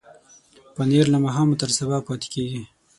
پنېر له ماښامه تر سبا پاتې کېږي.